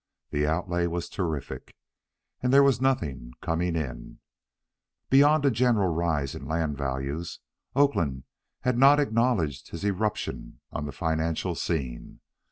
The outlay was terrific, and there was nothing coming in. Beyond a general rise in land values, Oakland had not acknowledged his irruption on the financial scene.